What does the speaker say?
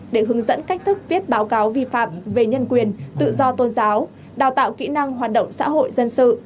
để hướng dẫn cách thức viết báo cáo vi phạm về nhân quyền tự do tôn giáo đào tạo kỹ năng hoạt động xã hội dân sự